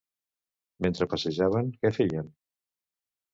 Mentre passejaven, què feien?